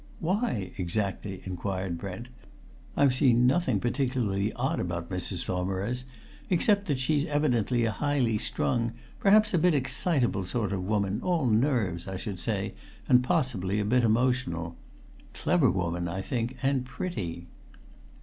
"Why, exactly?" inquired Brent. "I've seen nothing particularly odd about Mrs. Saumarez, except that she's evidently a highly strung, perhaps a bit excitable sort of woman, all nerves, I should say, and possibly a bit emotional. Clever woman, I think, and pretty."